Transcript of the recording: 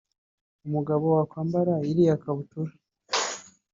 umugabo wakwambara iriya kabutura